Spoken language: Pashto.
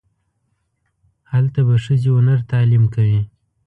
هلته به ښځې و نر تعلیم کوي.